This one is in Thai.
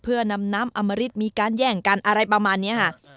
เพื่อนำน้ำอมริตมีการแย่งกันอะไรประมาณนี้ค่ะ